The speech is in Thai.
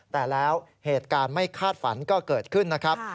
แต่แล้วเหตุการณ์ไม่คาดฝันก็เกิดขึ้นนะครับ